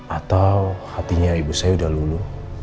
atau hatinya ibu saya sudah lulu